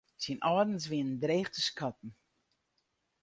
Syn âldens wie dreech te skatten.